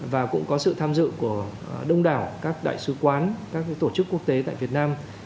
và cũng có sự tham dự của đông đảo các đại sứ quán các tổ chức quốc tế tại việt nam